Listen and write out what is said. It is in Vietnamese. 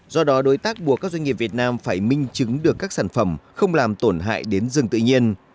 do đó đối tác buộc các doanh nghiệp việt nam phải minh chứng được các sản phẩm không làm tổn hại đến rừng tự nhiên